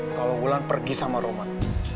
kalau bulan pergi sama roman